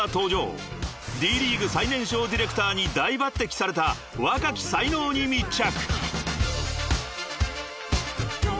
［Ｄ．ＬＥＡＧＵＥ最年少ディレクターに大抜てきされた若き才能に密着］